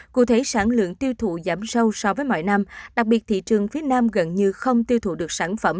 cụ thể sản lượng tiêu thụ giảm sâu so với mọi năm đặc biệt thị trường phía nam gần như không tiêu thụ được sản phẩm